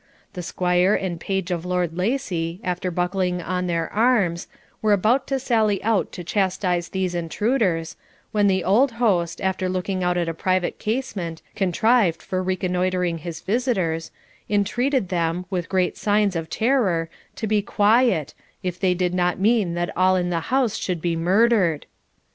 The squire and page of Lord Lacy, after buckling on their arms, were about to sally out to chastise these intruders, when the old host, after looking out at a private casement, contrived for reconnoitring his visitors, entreated them, with great signs of terror, to be quiet, if they did not mean that all in the house should be murdered.